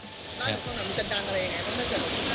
มันจะดังอะไรอย่างนั้น